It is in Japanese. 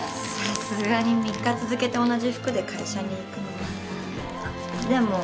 さすがに３日続けて同じ服で会社に行くのは。